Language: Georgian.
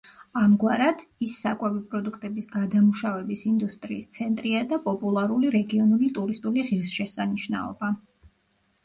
ამგვარად, ის საკვები პროდუქტების გადამუშავების ინდუსტრიის ცენტრია და პოპულარული რეგიონული ტურისტული ღირსშესანიშნაობა.